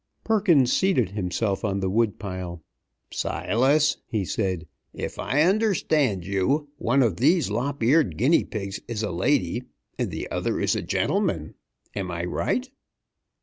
Perkins seated himself on the wood pile. "Silas," he said, "if I understand you, one of these lop eared guinea pigs is a lady, and the other is a gentleman. Am I right?"